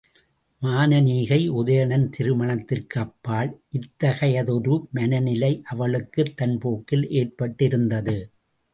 மானனீகை, உதயணன் திருமணத்திற்கு அப்பால் இத்தகையதொரு மனநிலை அவளுக்குத் தன் போக்கில் ஏற்பட்டிருந்தது.